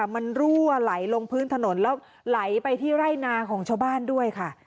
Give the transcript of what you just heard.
มันรั่วไหลลงพื้นถนนแล้วไหลไปที่ไร่นาของชาวบ้านด้วยค่ะ